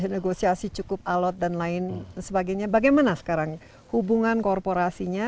negosiasi cukup alot dan lain sebagainya bagaimana sekarang hubungan korporasinya